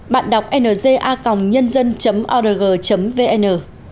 bạn đọc nga nhân dân org vn